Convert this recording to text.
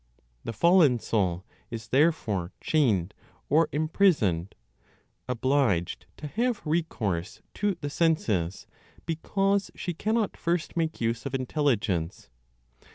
The fallen soul is therefore chained or imprisoned, obliged to have recourse to the senses because she cannot first make use of intelligence.